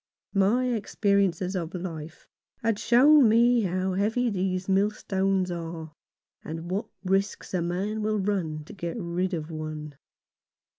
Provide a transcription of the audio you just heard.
My experience of life had shown me how heavy these millstones are, and what risks a man will run to get rid of one.